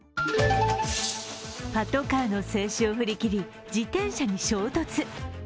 パトカーの制止を振り切り自転車に衝突。